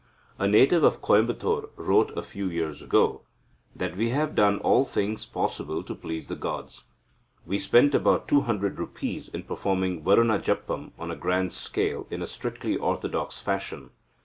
A Native of Coimbatore wrote a few years ago that we have done all things possible to please the gods. We spent about two hundred rupees in performing Varuna japam on a grand scale in a strictly orthodox fashion.